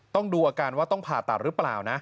ดูอาการว่าต้องผ่าตัดหรือเปล่านะ